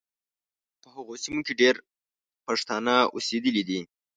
په هغو سیمو کې ډېر پښتانه اوسېدلي دي.